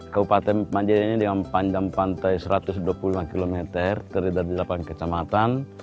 kabupaten majaya ini dengan panjang pantai satu ratus dua puluh lima km terdiri dari delapan kecamatan